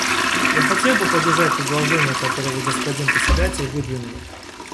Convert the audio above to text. Я хотел бы поддержать предложение, которое Вы, господин Председатель, выдвинули.